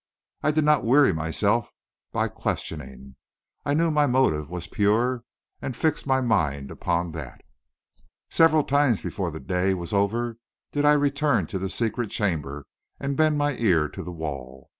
I did not weary myself by questioning. I knew my motive was pure, and fixed my mind upon that. Several times before the day was over did I return to the secret chamber and bend my ear to the wall.